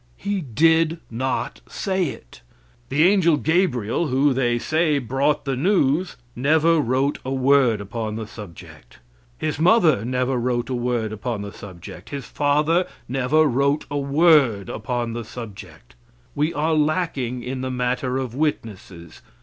He did not say it. The angel Gabriel, who, they say, brought the news, never wrote a word upon the subject. His mother never wrote a word upon the subject. His father never wrote a word upon the subject. We are lacking in the matter of witnesses.